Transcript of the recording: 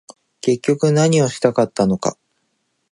結局何をしたかったのか